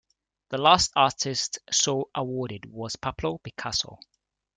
The last artist so awarded was Pablo Picasso.